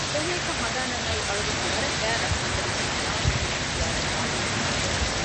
ކުއްލިއަކަށް ހަނދާނަށް އައީ އަޅުގަނޑުގެ ވަރަށް ގާތް ރަހުމަތްތެރި ސޫދާނު މީހަކު ކިޔައިދިން ވާހަކައެއް